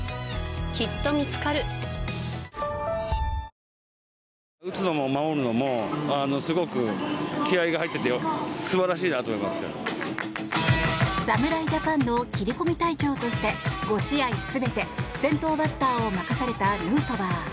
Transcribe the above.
東京海上日動侍ジャパンの切り込み隊長として５試合全て先頭バッターを任されたヌートバー。